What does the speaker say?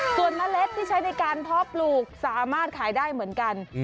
ส่วนเมล็ดที่ใช้ในการเพาะปลูกสามารถขายได้เหมือนกัน